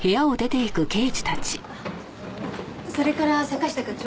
あっそれから坂下課長。